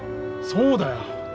そうだよ。